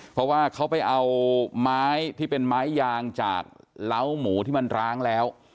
เพราะว่าเขาไปเอาไม้ที่เป็นไม้ยางจากเล้าหมูที่มันร้างแล้ว